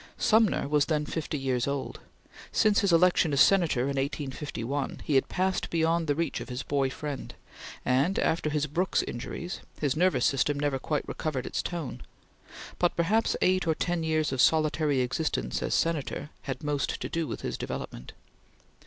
Sumner was then fifty years old. Since his election as Senator in 1851 he had passed beyond the reach of his boy friend, and, after his Brooks injuries, his nervous system never quite recovered its tone; but perhaps eight or ten years of solitary existence as Senator had most to do with his development.